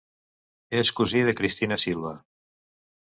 És cosí de Cristina Silva.